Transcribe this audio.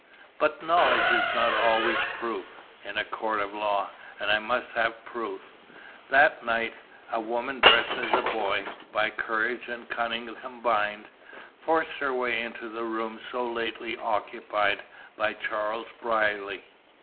"But knowledge is not always proof in a court of law and I must have proof. That night a woman, dressed as a boy, by courage and cunning combined, forced her way into the rooms so lately occupied by Charles Brierly.